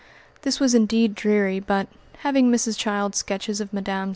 This was indeed dreary, but, having Mrs. Child's sketches of Mmes.